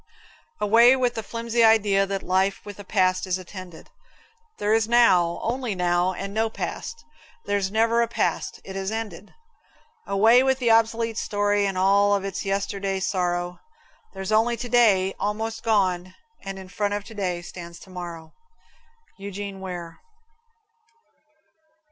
Away with the flimsy idea that life with a past is attended. There's now only now and no past. There's never a past; it has ended. Away with the obsolete story and all of its yesterday sorrow! There's only Today, almost gone, and in front of Today stands Tomorrow. Eugene Ware.